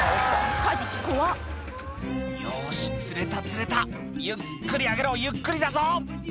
カジキ怖っ「よし釣れた釣れた」「ゆっくり上げろゆっくりだぞ」